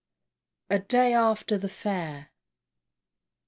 "A Day after the Fair."